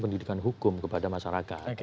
pendidikan hukum kepada masyarakat